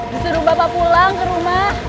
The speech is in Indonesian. disuruh bapak pulang ke rumah